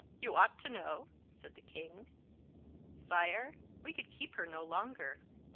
"You ought to know," said the king. "Sire, we could keep her no longer."